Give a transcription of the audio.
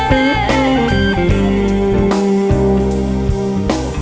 อยากให้เธอมีชีวิตสดใส